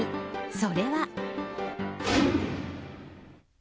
それは。